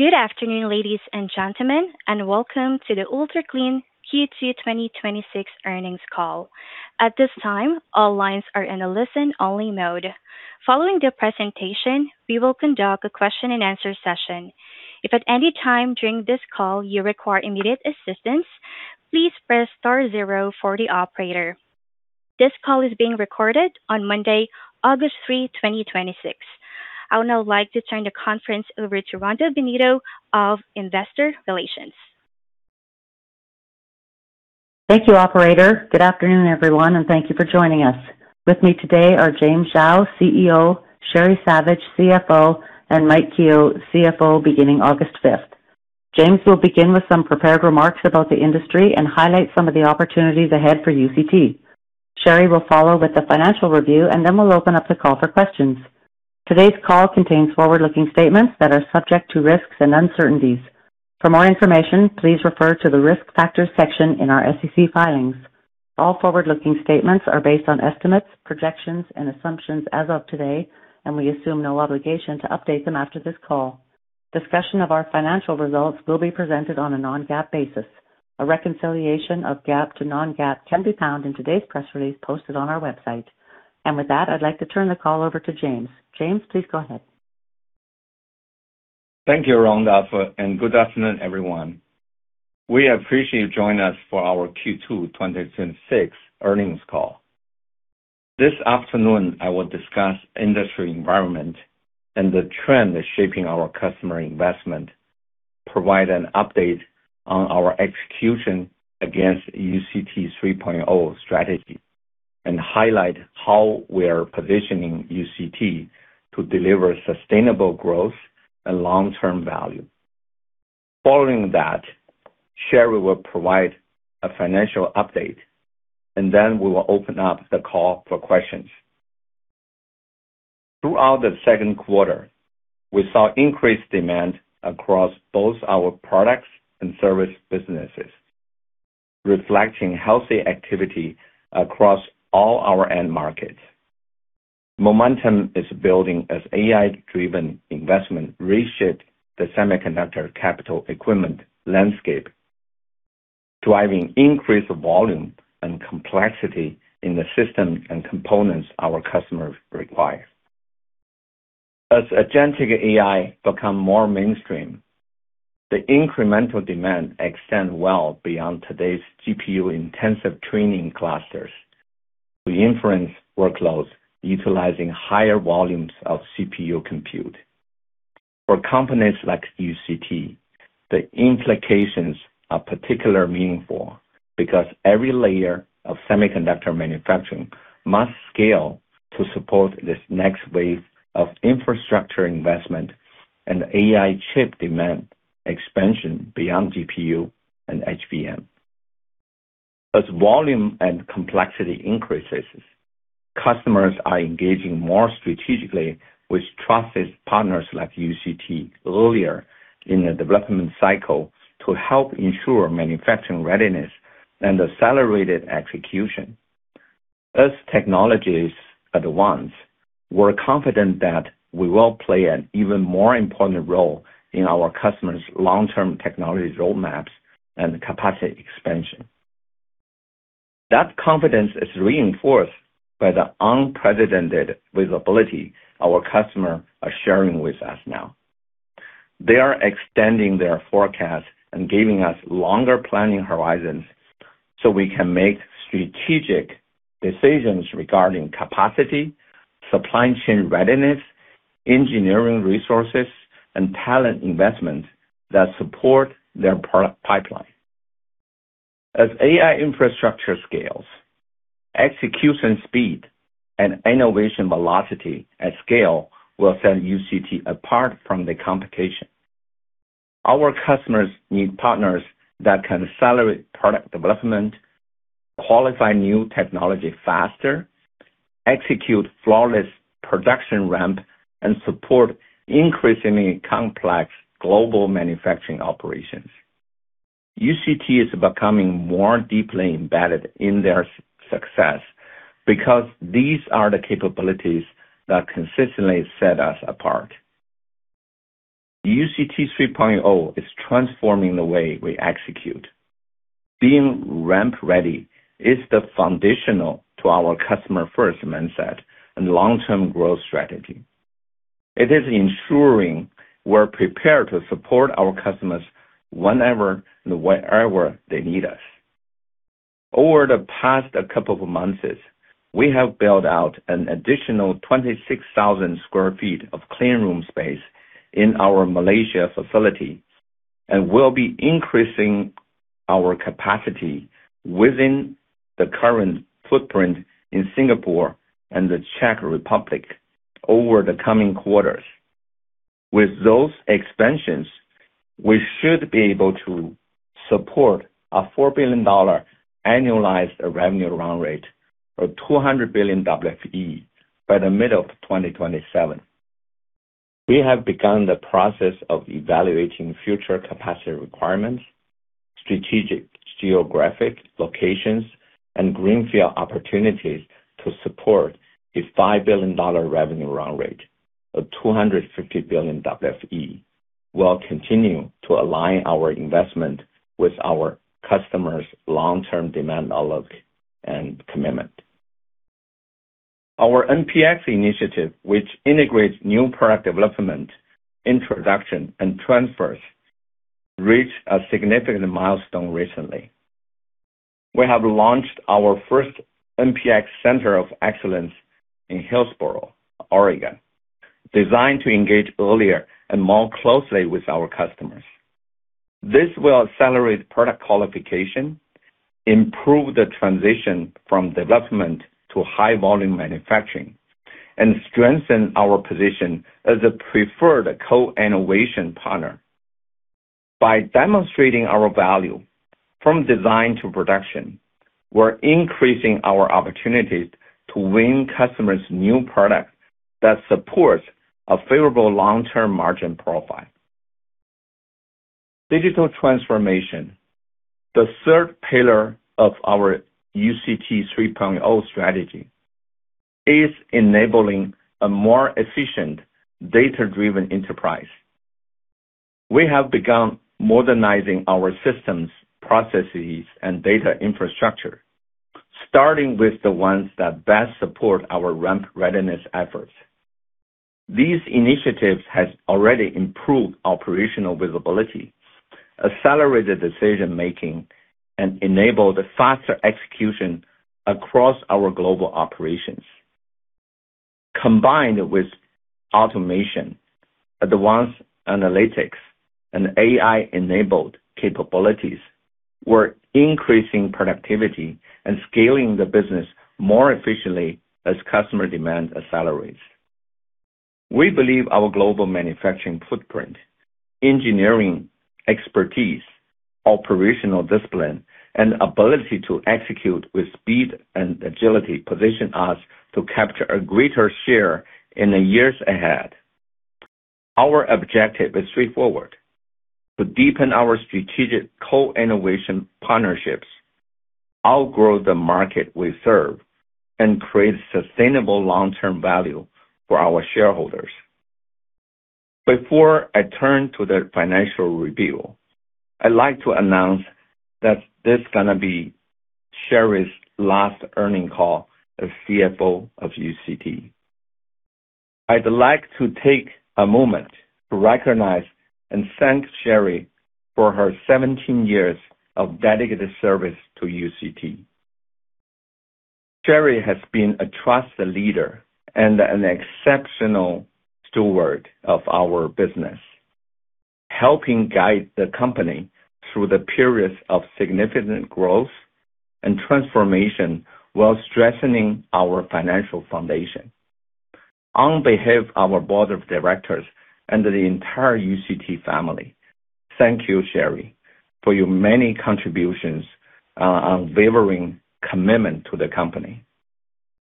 Good afternoon, ladies and gentlemen, and welcome to the Ultra Clean Q2 2026 earnings call. At this time, all lines are in a listen-only mode. Following the presentation, we will conduct a question and answer session. If at any time during this call you require immediate assistance, please press star zero for the operator. This call is being recorded on Monday, August 3rd, 2026. I would now like to turn the conference over to Rhonda Bennetto of Investor Relations. Thank you, operator. Good afternoon, everyone, and thank you for joining us. With me today are James Xiao, CEO, Sheri Savage, CFO, and Mike Keogh, CFO beginning August 5th. James will begin with some prepared remarks about the industry and highlight some of the opportunities ahead for UCT. Sheri will follow with the financial review, then we'll open up the call for questions. Today's call contains forward-looking statements that are subject to risks and uncertainties. For more information, please refer to the Risk Factors section in our SEC filings. All forward-looking statements are based on estimates, projections, and assumptions as of today, and we assume no obligation to update them after this call. Discussion of our financial results will be presented on a non-GAAP basis. A reconciliation of GAAP to non-GAAP can be found in today's press release posted on our website. With that, I'd like to turn the call over to James. James, please go ahead. Thank you, Rhonda. Good afternoon, everyone. We appreciate you joining us for our Q2 2026 earnings call. This afternoon, I will discuss industry environment and the trend shaping our customer investment, provide an update on our execution against UCT 3.0 strategy, and highlight how we are positioning UCT to deliver sustainable growth and long-term value. Following that, Sheri will provide a financial update, then we will open up the call for questions. Throughout the second quarter, we saw increased demand across both our Products and Services businesses, reflecting healthy activity across all our end markets. Momentum is building as AI-driven investment reshaped the semiconductor capital equipment landscape, driving increased volume and complexity in the system and components our customers require. As agentic AI become more mainstream, the incremental demand extend well beyond today's GPU-intensive training clusters to inference workloads utilizing higher volumes of CPU compute. For companies like UCT, the implications are particularly meaningful because every layer of semiconductor manufacturing must scale to support this next wave of infrastructure investment and AI chip demand expansion beyond GPU and HBM. As volume and complexity increases, customers are engaging more strategically with trusted partners like UCT earlier in the development cycle to help ensure manufacturing readiness and accelerated execution. As technologies advance, we're confident that we will play an even more important role in our customers' long-term technology roadmaps and capacity expansion. That confidence is reinforced by the unprecedented visibility our customers are sharing with us now. They are extending their forecast and giving us longer planning horizons so we can make strategic decisions regarding capacity, supply chain readiness, engineering resources, and talent investment that support their product pipeline. As AI infrastructure scales, execution speed and innovation velocity at scale will set UCT apart from the competition. Our customers need partners that can accelerate product development, qualify new technology faster, execute flawless production ramp, and support increasingly complex global manufacturing operations. UCT is becoming more deeply embedded in their success because these are the capabilities that consistently set us apart. UCT 3.0 is transforming the way we execute. Being ramp-ready is foundational to our customer-first mindset and long-term growth strategy. It is ensuring we're prepared to support our customers whenever and wherever they need us. Over the past couple of months, we have built out an additional 26,000 sq ft of clean room space in our Malaysia facility and will be increasing our capacity within the current footprint in Singapore and the Czech Republic over the coming quarters. With those expansions, we should be able to support a $4 billion annualized revenue run rate or 200 billion WFE by the middle of 2027. We have begun the process of evaluating future capacity requirements, strategic geographic locations and greenfield opportunities to support a $5 billion revenue run rate of 250 billion WFE. We'll continue to align our investment with our customers' long-term demand outlook and commitment. Our NPX initiative, which integrates new product development, introduction, and transfers, reached a significant milestone recently. We have launched our first NPX Center of Excellence in Hillsboro, Oregon, designed to engage earlier and more closely with our customers. This will accelerate product qualification, improve the transition from development to high-volume manufacturing, and strengthen our position as a preferred co-innovation partner. By demonstrating our value from design to production, we're increasing our opportunities to win customers' new products that support a favorable long-term margin profile. Digital transformation, the third pillar of our UCT 3.0 strategy, is enabling a more efficient data-driven enterprise. We have begun modernizing our systems, processes, and data infrastructure, starting with the ones that best support our ramp readiness efforts. These initiatives have already improved operational visibility, accelerated decision-making, and enabled faster execution across our global operations. Combined with automation, advanced analytics, and AI-enabled capabilities, we're increasing productivity and scaling the business more efficiently as customer demand accelerates. We believe our global manufacturing footprint, engineering expertise, operational discipline, and ability to execute with speed and agility position us to capture a greater share in the years ahead. Our objective is straightforward: to deepen our strategic co-innovation partnerships, outgrow the market we serve, and create sustainable long-term value for our shareholders. Before I turn to the financial review, I'd like to announce that this is going to be Sheri's last earning call as CFO of UCT. I'd like to take a moment to recognize and thank Sheri for her 17 years of dedicated service to UCT. Sheri has been a trusted leader and an exceptional steward of our business, helping guide the company through the periods of significant growth and transformation while strengthening our financial foundation. On behalf of our Board of Directors and the entire UCT family, thank you, Sheri, for your many contributions, unwavering commitment to the company.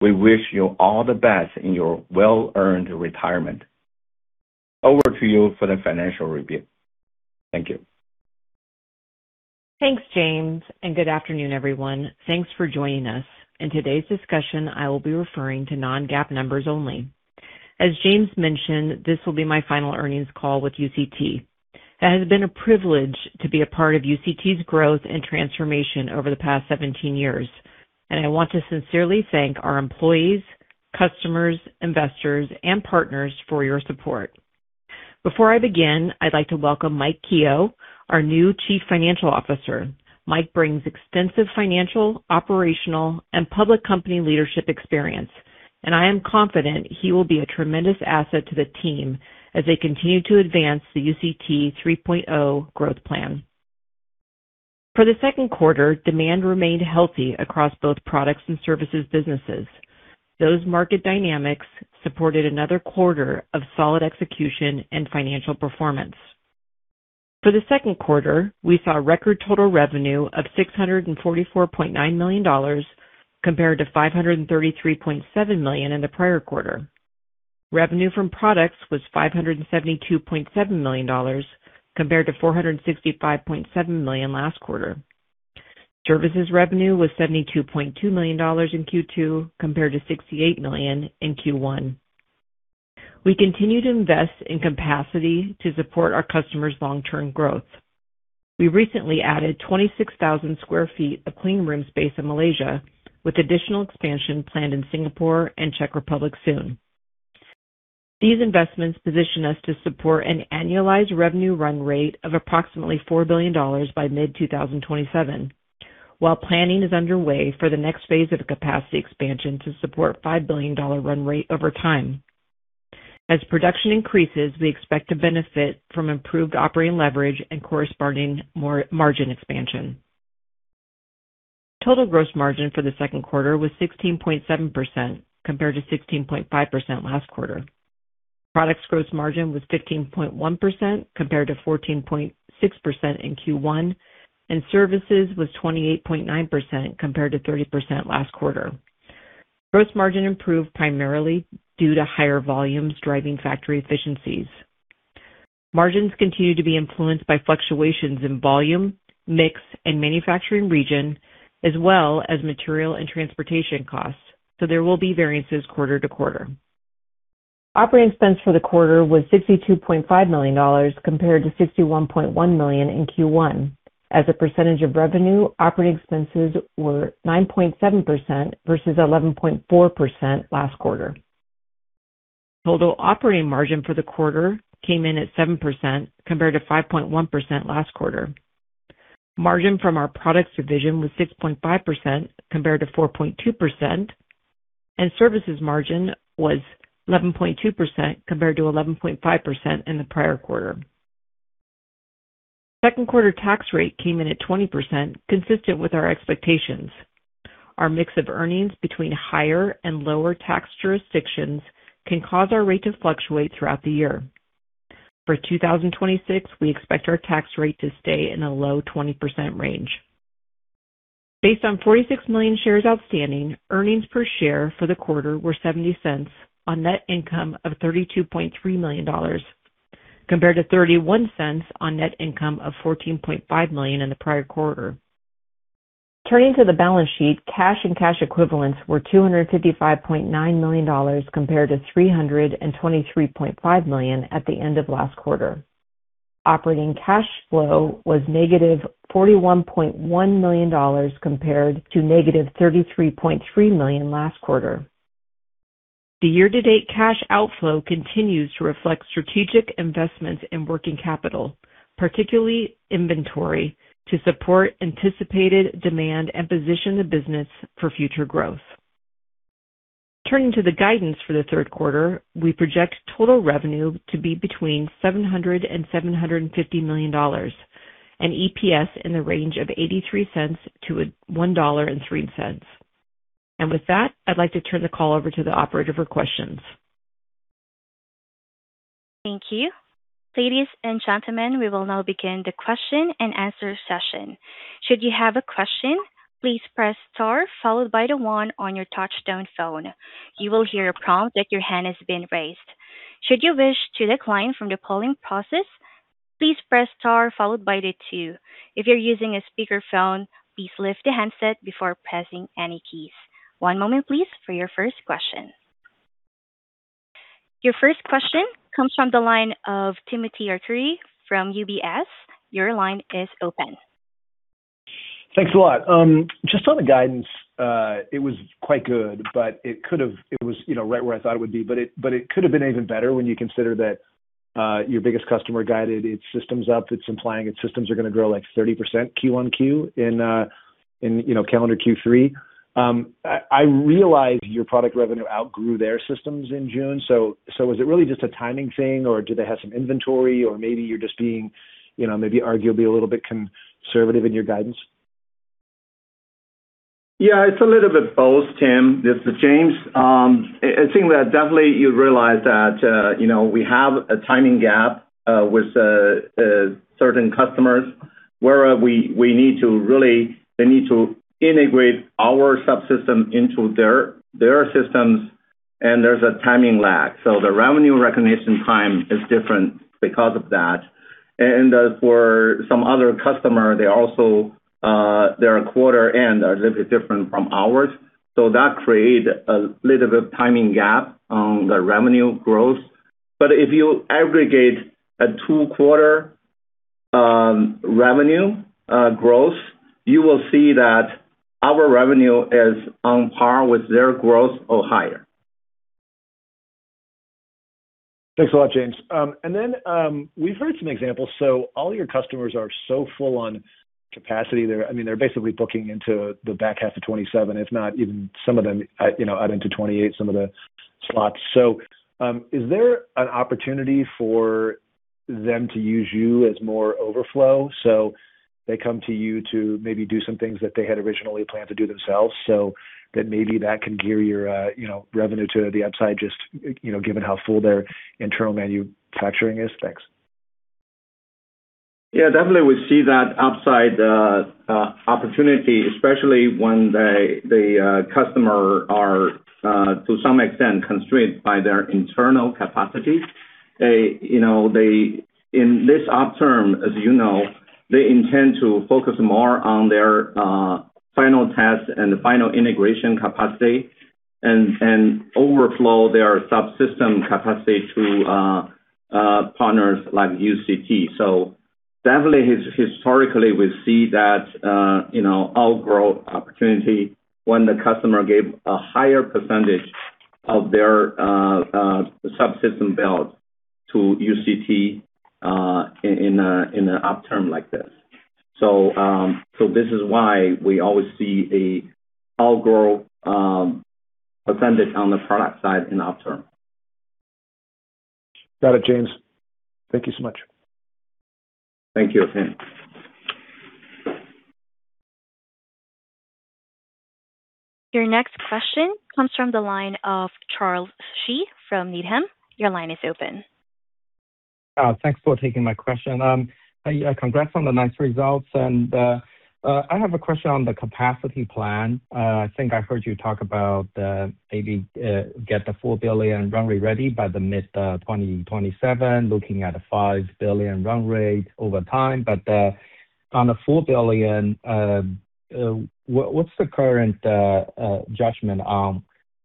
We wish you all the best in your well-earned retirement. Over to you for the financial review. Thank you. Thanks, James, good afternoon, everyone. Thanks for joining us. In today's discussion, I will be referring to non-GAAP numbers only. As James mentioned, this will be my final earnings call with UCT. It has been a privilege to be a part of UCT's growth and transformation over the past 17 years, and I want to sincerely thank our employees, customers, investors, and partners for your support. Before I begin, I'd like to welcome Mike Keogh, our new Chief Financial Officer. Mike brings extensive financial, operational, and public company leadership experience, and I am confident he will be a tremendous asset to the team as they continue to advance the UCT 3.0 growth plan. For the second quarter, demand remained healthy across both Products and Services businesses. Those market dynamics supported another quarter of solid execution and financial performance. For the second quarter, we saw record total revenue of $644.9 million, compared to $533.7 million in the prior quarter. Revenue from Products was $572.7 million, compared to $465.7 million last quarter. Services revenue was $72.2 million in Q2, compared to $68 million in Q1. We continue to invest in capacity to support our customers' long-term growth. We recently added 26,000 sq ft of clean room space in Malaysia with additional expansion planned in Singapore and Czech Republic soon. These investments position us to support an annualized revenue run rate of approximately $4 billion by mid-2027. Planning is underway for the next phase of the capacity expansion to support $5 billion run rate over time. As production increases, we expect to benefit from improved operating leverage and corresponding margin expansion. Total gross margin for the second quarter was 16.7% compared to 16.5% last quarter. Products gross margin was 15.1% compared to 14.6% in Q1. Services was 28.9% compared to 30% last quarter. Gross margin improved primarily due to higher volumes driving factory efficiencies. Margins continue to be influenced by fluctuations in volume, mix, manufacturing region, as well as material and transportation costs. There will be variances quarter to quarter. Operating expense for the quarter was $62.5 million compared to $61.1 million in Q1. As a percentage of revenue, operating expenses were 9.7% versus 11.4% last quarter. Total operating margin for the quarter came in at 7% compared to 5.1% last quarter. Margin from our Products division was 6.5% compared to 4.2%. Services margin was 11.2% compared to 11.5% in the prior quarter. Second quarter tax rate came in at 20%, consistent with our expectations. Our mix of earnings between higher and lower tax jurisdictions can cause our rate to fluctuate throughout the year. For 2026, we expect our tax rate to stay in the low 20% range. Based on 46 million shares outstanding, earnings per share for the quarter were $0.70 on net income of $32.3 million, compared to $0.31 on net income of $14.5 million in the prior quarter. Turning to the balance sheet, cash and cash equivalents were $255.9 million compared to $323.5 million at the end of last quarter. Operating cash flow was negative $41.1 million compared to negative $33.3 million last quarter. The year-to-date cash outflow continues to reflect strategic investments in working capital, particularly inventory, to support anticipated demand and position the business for future growth. Turning to the guidance for the third quarter, we project total revenue to be between $700 million-$750 million, and EPS in the range of $0.83-$1.3. With that, I'd like to turn the call over to the operator for questions. Thank you. Ladies and gentlemen, we will now begin the question and answer session. Should you have a question, please press star followed by the one on your touchtone phone. You will hear a prompt that your hand has been raised. Should you wish to decline from the polling process, please press star followed by the two. If you're using a speakerphone, please lift the handset before pressing any keys. One moment please, for your first question. Your first question comes from the line of Timothy Arcuri from UBS. Your line is open. Thanks a lot. Just on the guidance, it was quite good, it was right where I thought it would be, but it could have been even better when you consider that your biggest customer guided its systems up. It's implying its systems are going to grow 30% QoQ in calendar Q3. I realize your Products revenue outgrew their systems in June, so was it really just a timing thing or do they have some inventory or maybe you're just being, maybe arguably a little bit conservative in your guidance? It's a little bit of both, Tim. This is James. I think that definitely you realize that we have a timing gap with certain customers where they need to integrate our subsystem into their systems, and there's a timing lag. The revenue recognition time is different because of that. For some other customer, their quarter end is a little bit different from ours. That creates a little bit of timing gap on the revenue growth. If you aggregate a two-quarter revenue growth, you will see that our revenue is on par with their growth or higher. Thanks a lot, James. We've heard some examples. All your customers are so full on capacity. They're basically booking into the back half of 2027, if not even some of them out into 2028, some of the slots. Is there an opportunity for them to use you as more overflow? They come to you to maybe do some things that they had originally planned to do themselves, so that maybe that can gear your revenue to the upside, just given how full their internal manufacturing is? Thanks. Definitely we see that upside opportunity, especially when the customer are to some extent constrained by their internal capacity. In this op term, as you know, they intend to focus more on their final test and final integration capacity and overflow their subsystem capacity to partners like UCT. Definitely historically, we see that outgrow opportunity when the customer gave a higher percentage of their subsystem build to UCT in an op term like this. This is why we always see a outgrow percentage on the Products side in op term. Got it, James. Thank you so much. Thank you, Tim. Your next question comes from the line of Charles Shi from Needham. Your line is open. Thanks for taking my question. Congrats on the nice results. I have a question on the capacity plan. I think I heard you talk about maybe get the $4 billion run rate ready by the mid-2027, looking at a $5 billion run rate over time. On the $4 billion, what's the current judgment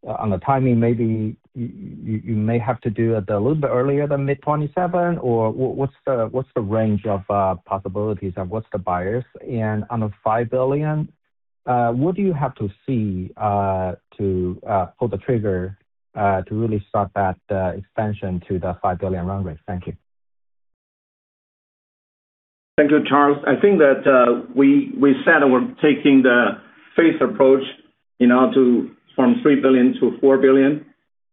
on the timing? Maybe you may have to do it a little bit earlier than mid-2027, or what's the range of possibilities, and what's the bias? On the $5 billion, what do you have to see to pull the trigger to really start that expansion to the $5 billion run rate? Thank you. Thank you, Charles. I think that we said we're taking the phased approach from $3 billion-$4 billion,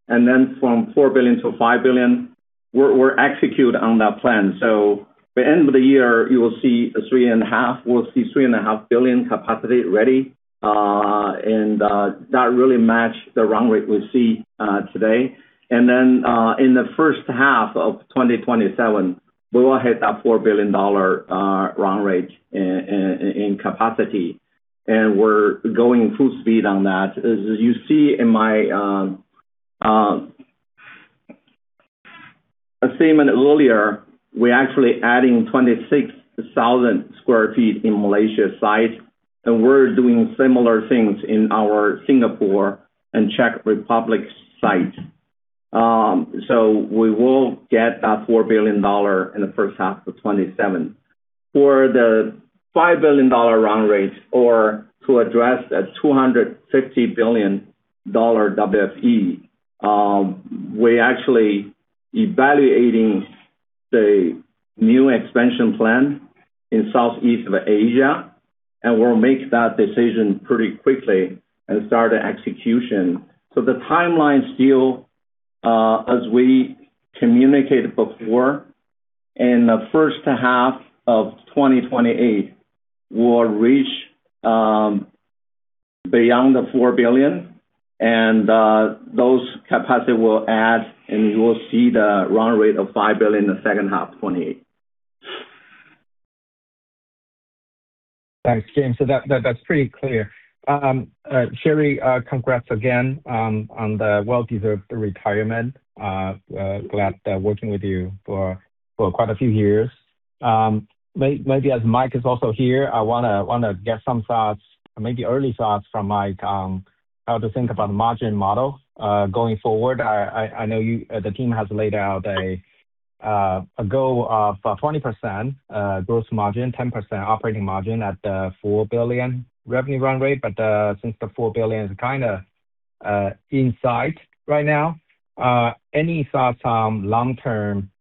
then from $4 billion$5 billion. We're executed on that plan. By end of the year, you will see $3.5 billion capacity ready, and that really match the run rate we see today. Then, in the first half of 2027, we will hit that $4 billion run rate in capacity. We're going full speed on that. As you see in my statement earlier, we're actually adding 26,000 sq ft in Malaysia site, and we're doing similar things in our Singapore and Czech Republic site. We will get that $4 billion in the first half of 2027. For the $5 billion run rate or to address that $250 billion WFE, we're actually evaluating the new expansion plan in Southeast Asia, and we'll make that decision pretty quickly and start the execution. The timeline still, as we communicated before, in the first half of 2028, we'll reach beyond the $4 billion, and those capacity will add, and we will see the run rate of $5 billion in the second half 2028. Thanks, James. That's pretty clear. Sheri, congrats again on the well-deserved retirement. Glad working with you for quite a few years. Maybe as Mike is also here, I want to get some thoughts, maybe early thoughts from Mike, how to think about margin model, going forward. I know the team has laid out a goal of 20% gross margin, 10% operating margin at the $4 billion revenue run rate. Since the $4 billion is kind of in sight right now, any thoughts on long-term,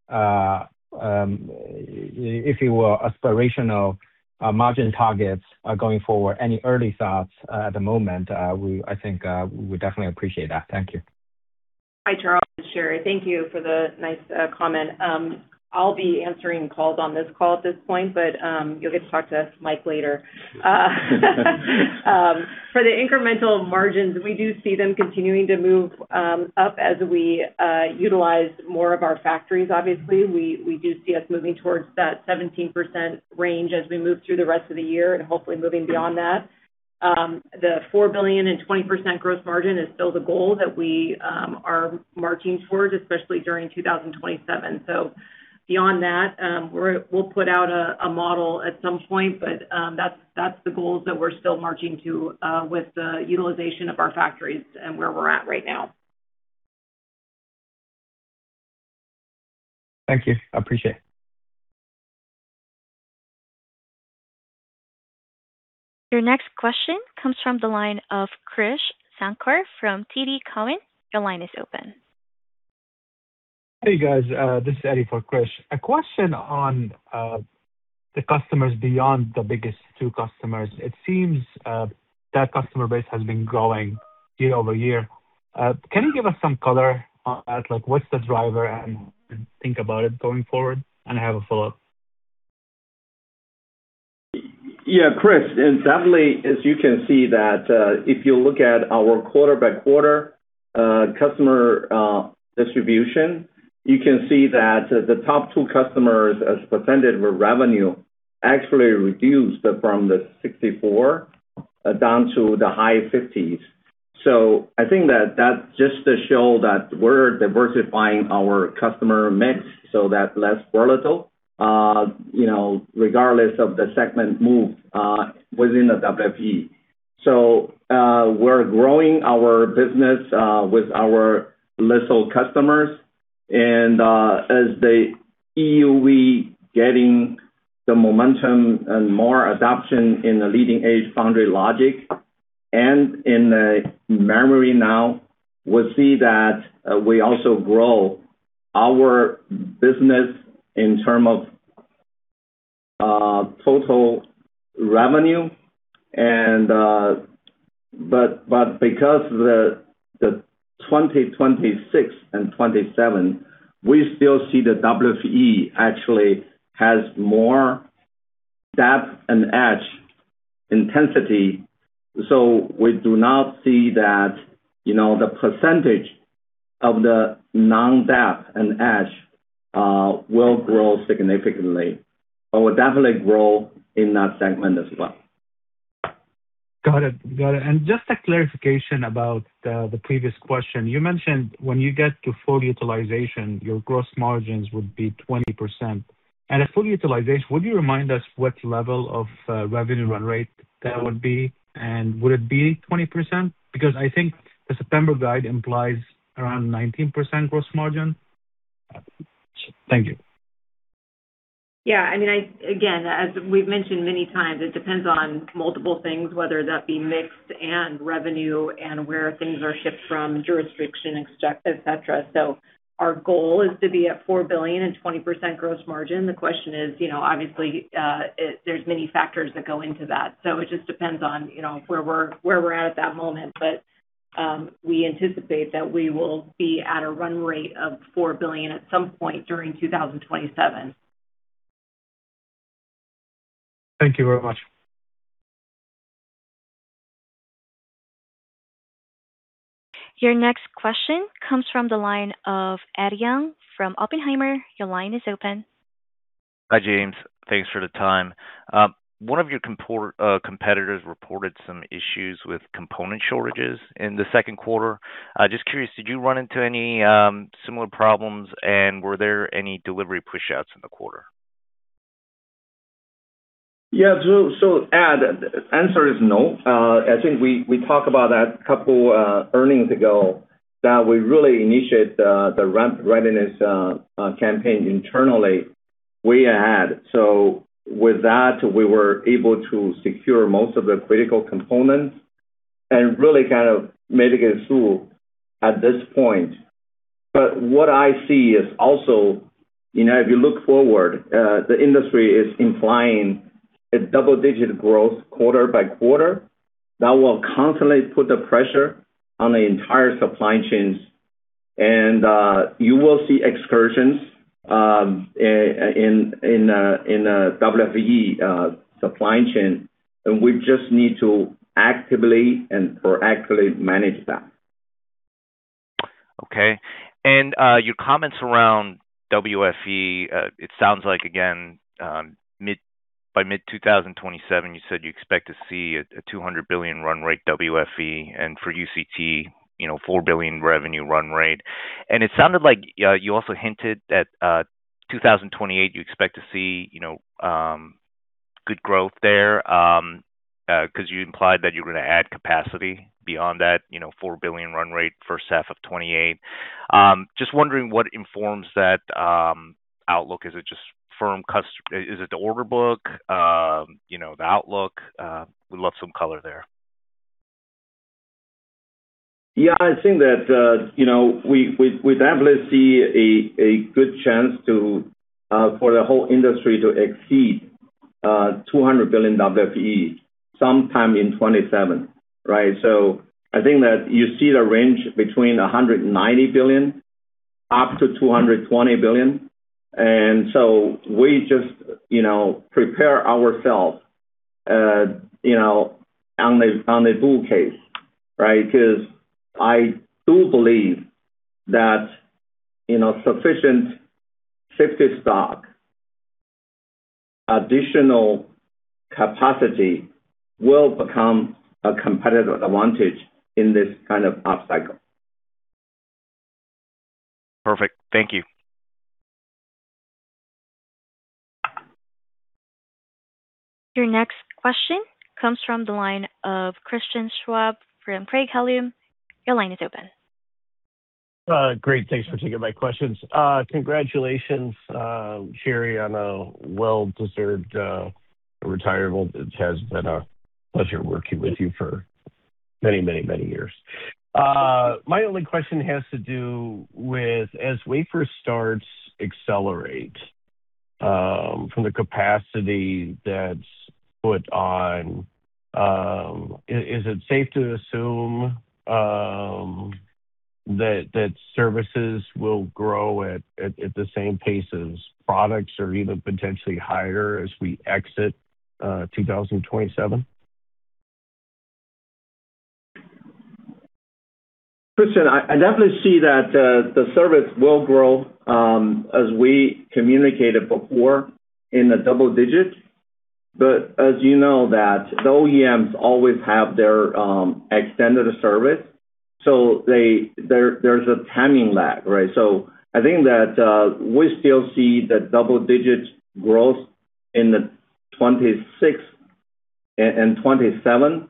if you will, aspirational margin targets going forward? Any early thoughts at the moment? I think we definitely appreciate that. Thank you. Hi, Charles and Sheri. Thank you for the nice comment. I'll be answering calls on this call at this point, but you'll get to talk to Mike later. For the incremental margins, we do see them continuing to move up as we utilize more of our factories obviously. We do see us moving towards that 17% range as we move through the rest of the year and hopefully moving beyond that. The $4 billion and 20% gross margin is still the goal that we are marching towards, especially during 2027. Beyond that, we'll put out a model at some point, but that's the goals that we're still marching to with the utilization of our factories and where we're at right now. Thank you. I appreciate it. Your next question comes from the line of Krish Sankar from TD Cowen. Your line is open. Hey, guys. This is Eddy for Krish. A question on the customers beyond the biggest two customers. It seems that customer base has been growing year-over-year. Can you give us some color at what's the driver and think about it going forward? I have a follow-up. Yeah, Eddy. Definitely, as you can see that, if you look at our quarter-by-quarter customer distribution, you can see that the top two customers as percentage of revenue actually reduced from the 64 down to the high 50s. I think that just to show that we're diversifying our customer mix so that's less volatile regardless of the segment move within the WFE. We're growing our business with our little customers. As the EUV getting the momentum and more adoption in the leading-edge foundry logic and in the memory now, we'll see that we also grow our business in terms of total revenue. Because the 2026 and 2027, we still see the WFE actually has more dep and etch intensity. We do not see that the percentage of the non-dep and etch will grow significantly, will definitely grow in that segment as well. Got it. Just a clarification about the previous question. You mentioned when you get to full utilization, your gross margins would be 20%. At full utilization, would you remind us what level of revenue run rate that would be? Would it be 20%? Because I think the September guide implies around 19% gross margin. Thank you. Yeah. Again, as we've mentioned many times, it depends on multiple things, whether that be mix and revenue and where things are shipped from, jurisdiction, etc. Our goal is to be at $4 billion and 20% gross margin. The question is, obviously, there's many factors that go into that. It just depends on where we're at that moment. We anticipate that we will be at a run rate of $4 billion at some point during 2027. Thank you very much. Your next question comes from the line of Ed Yang from Oppenheimer. Your line is open. Hi, James. Thanks for the time. One of your competitors reported some issues with component shortages in the second quarter. Just curious, did you run into any similar problems, and were there any delivery pushouts in the quarter? Yeah. Ed, answer is no. I think we talked about that a couple earnings ago, that we really initiate the ramp readiness campaign internally way ahead. With that, we were able to secure most of the critical components and really kind of made it through at this point. What I see is also, if you look forward, the industry is implying a double-digit growth quarter by quarter that will constantly put the pressure on the entire supply chains. You will see excursions in WFE supply chain, and we just need to actively and proactively manage that. Okay. Your comments around WFE, it sounds like, again, by mid-2027, you said you expect to see a $200 billion run rate WFE, and for UCT, $4 billion revenue run rate. It sounded like you also hinted at 2028, you expect to see good growth there, because you implied that you're going to add capacity beyond that $4 billion run rate first half of 2028. Just wondering what informs that outlook. Is it the order book? The outlook? Would love some color there. Yeah, I think that we definitely see a good chance for the whole industry to exceed $200 billion WFE sometime in 2027, right? I think that you see the range between $190 billion up to $220 billion. We just prepare ourselves on the bull case, right? Because I do believe that in our sufficient 50 stock additional capacity will become a competitive advantage in this kind of upcycle. Perfect. Thank you. Your next question comes from the line of Christian Schwab from Craig-Hallum. Your line is open. Great. Thanks for taking my questions. Congratulations, Sheri, on a well-deserved retirement. It has been a pleasure working with you for many years. My only question has to do with, as wafer starts accelerate from the capacity that's put on, is it safe to assume that Services will grow at the same pace as Products or even potentially higher as we exit 2027? Christian, I definitely see that the Services will grow, as we communicated before, in the double digits. As you know that the OEMs always have their extended service, there's a timing lag, right? I think that we still see the double-digit growth in the 2026 and 2027,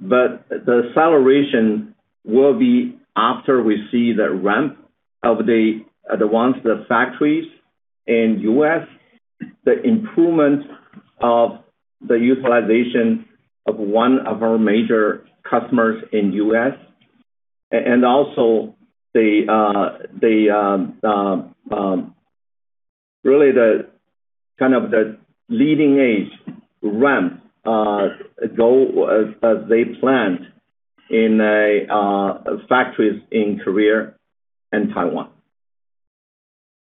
but the acceleration will be after we see the ramp of the factories in U.S., the improvement of the utilization of one of our major customers in U.S., and also really the leading-edge ramp as they planned in factories in Korea and Taiwan.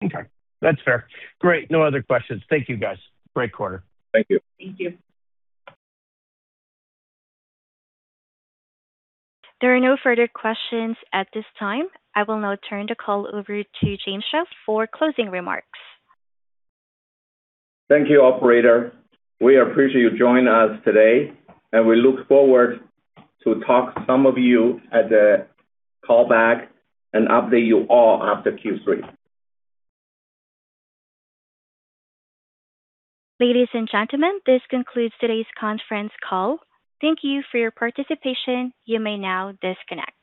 Okay. That's fair. Great. No other questions. Thank you, guys. Great quarter. Thank you. Thank you. There are no further questions at this time. I will now turn the call over to James Xiao for closing remarks. Thank you, operator. We appreciate you joining us today, and we look forward to talk to some of you at the callback and update you all after Q3. Ladies and gentlemen, this concludes today's conference call. Thank you for your participation. You may now disconnect.